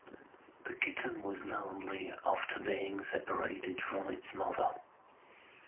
The kitten was lonely after being separated from its mother.